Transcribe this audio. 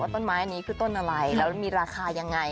ต้นไม้อันนี้คือต้นอะไรแล้วมีราคายังไง